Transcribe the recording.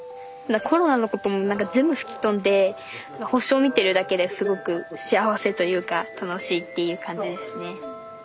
コロナのことも全部吹き飛んで星を見てるだけですごく幸せというか楽しいっていう感じですね。